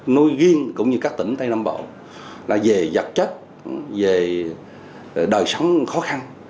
nôi ghiên cũng như các tỉnh tây nam bộ là về vật chất về đời sống khó khăn